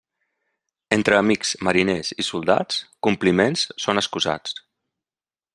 Entre amics, mariners i soldats, compliments són excusats.